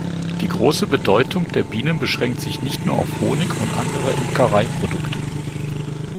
Die große Bedeutung der Bienen beschränkt sich nicht nur auf Honig und andere Imkereiprodukte.